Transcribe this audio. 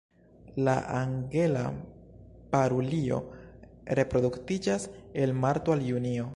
La Angela parulio reproduktiĝas el marto al junio.